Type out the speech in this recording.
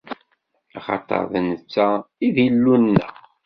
Axaṭer d netta i d Illu-nneɣ.